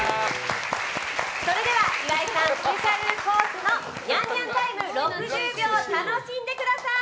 それでは岩井さんスペシャルコースのニャンニャンタイム６０秒楽しんでください！